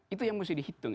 itu yang mesti dihitung